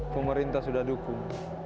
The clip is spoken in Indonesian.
pemerintah sudah dukung